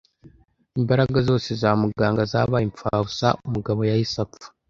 Imbaraga zose za muganga zabaye impfabusa umugabo yahise apfa.